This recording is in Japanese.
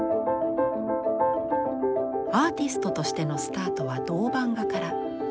アーティストとしてのスタートは銅版画から。